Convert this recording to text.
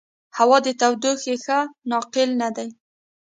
هوا د تودوخې ښه ناقل نه دی.